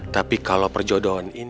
tapi kalau perjodohan ini